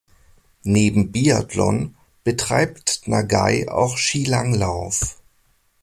Neben Biathlon betreibt Nagai auch Skilanglauf.